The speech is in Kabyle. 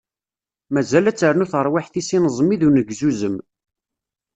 Mazal ad ternu terwiḥt-is ineẓmi d unegzuzem.